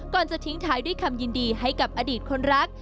จะทิ้งท้ายด้วยคำยินดีให้กับอดีตคนรัก